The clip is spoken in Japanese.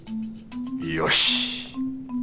よし！